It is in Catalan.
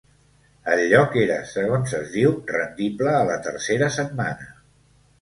El lloc era, segons es diu, rendible a la tercera setmana.